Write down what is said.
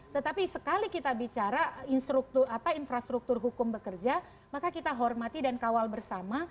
tetapi sekali kita bicara infrastruktur hukum bekerja maka kita hormati dan kawal bersama